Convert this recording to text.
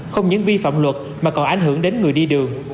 không những vi phạm luật mà còn ảnh hưởng đến người đi đường